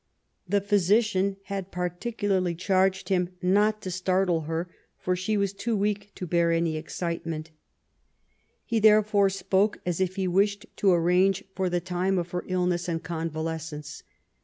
The physician had particularly charged him not to startle her, for she was too weak to bear any excitement. He therefore spoke / 204 MABY WOLLSTONECBAFT GODWIN. as if he wished to arrange for the time of her illness and convalescence.